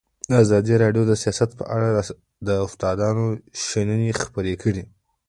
ازادي راډیو د سیاست په اړه د استادانو شننې خپرې کړي.